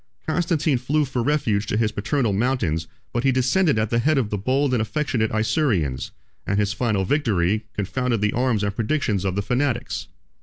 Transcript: Constantine flew for refuge to his paternal mountains; but he descended at the head of the bold and affectionate Isaurians; and his final victory confounded the arms and predictions of the fanatics.